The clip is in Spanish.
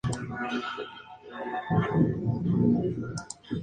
Pertenece administrativamente a la provincia de Nador, en la región Oriental.